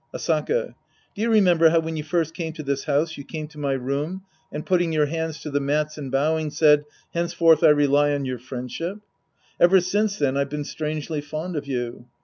Asaka. Do you remember how when you first came to this house, you came to my room and, putting your hands to the mats and bowing, said, " Hence; forth I rely on your friendship "? Ever since then, I've been strangely fond of you.